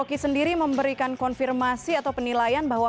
fiksi itu sendiri memberikan konfirmasi atau penilaian bahwa